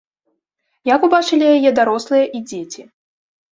Як убачылі яе дарослыя і дзеці?